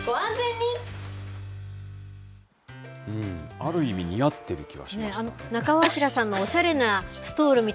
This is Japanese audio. ある意味、似合っている気がしました。